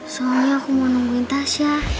soalnya aku mau nungguin tasyah